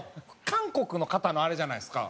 韓国の方のあれじゃないですか。